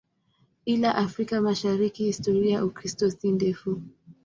Ila Afrika Mashariki historia ya Ukristo si ndefu.